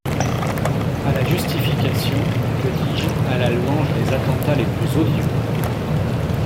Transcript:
À la justification, que dis-je, à la louange des attentats les plus odieux!